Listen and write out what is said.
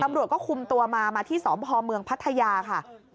ตำรวจก็คุมตัวมามาที่สพเมืองพัทยาค่ะ